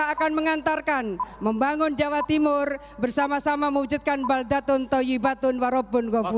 kita akan mengantarkan membangun jawa timur bersama sama mewujudkan baldatun toyibatun warobun gobu